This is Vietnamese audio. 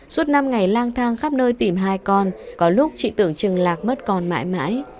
suốt năm ngày lang thang khắp nơi tìm hai con có lúc chị tưởng chừng lạc mất con mãi mãi